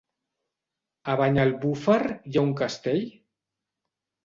A Banyalbufar hi ha un castell?